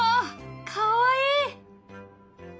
かわいい。